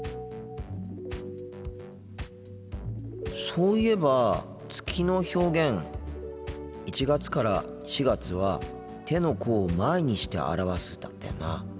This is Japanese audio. そういえば月の表現１月から４月は「手の甲を前にして表す」だったよな。